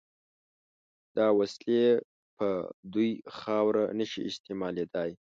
دا وسلې په دوی خاوره نشي استعمالېدای.